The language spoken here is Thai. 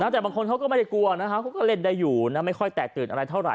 แต่บางคนเขาก็ไม่ได้กลัวนะครับเขาก็เล่นได้อยู่ไม่ค่อยแตกตื่นอะไรเท่าไ